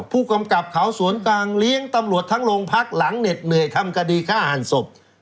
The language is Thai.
ผู้กำกับเขาสวนกลางเลี้ยงตำรวจทั้งโรงพักหลังเหน็ดเหนื่อยทำคดีฆ่าหันศพ